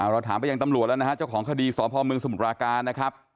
เราถามไปยังตำรวจแล้วนะฮะเจ้าของคดีสพเมืองสมุทราการนะครับ